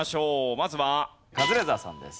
まずはカズレーザーさんです。